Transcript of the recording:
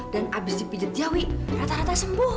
dan abis dipijat dia wih rata rata sembuh